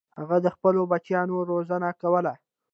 هغه د خپلو بچیانو روزنه کوله.